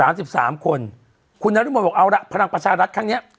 สามสิบสามคนคุณธรรมดเด่มเอาล่ะภักดิ์ประชารรัฐครั้งเนี้ย